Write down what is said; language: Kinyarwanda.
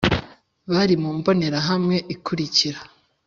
bari mu mbonerahamwe ikurikira.